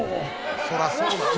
そりゃそうですよ。